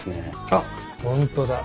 あっ本当だ。